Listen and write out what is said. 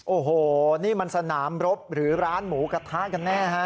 โอ้โหนี่มันสนามรบหรือร้านหมูกระทะกันแน่ฮะ